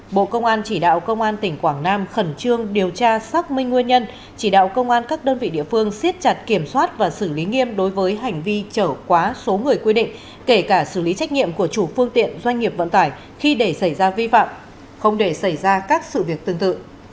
bộ công an chỉ đạo công an tỉnh quảng nam khẩn trương điều tra xác minh nguyên nhân chỉ đạo công an các đơn vị địa phương siết chặt kiểm soát và xử lý nghiêm đối với hành vi trở quá số người quy định kể cả xử lý trách nhiệm của chủ phương tiện doanh nghiệp vận tải khi để xảy ra vi phạm không để xảy ra các sự việc tương tự